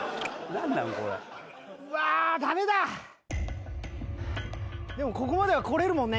何なのこれうわダメだでもここまでは来れるもんね